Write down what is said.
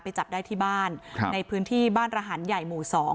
จับได้ที่บ้านครับในพื้นที่บ้านระหันใหญ่หมู่สอง